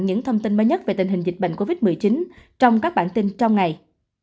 những thông tin mới nhất về tình hình dịch bệnh covid một mươi chín trong các bản tin trong ngày